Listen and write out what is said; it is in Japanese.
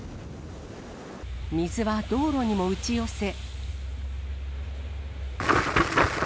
水は道路にも打ち寄せ。